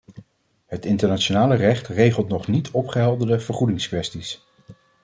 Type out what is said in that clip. Het internationale recht regelt nog niet opgehelderde vergoedingskwesties.